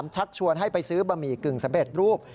ชักชวนให้ไปซื้อบะหมี่กึ่งสำเร็จรูป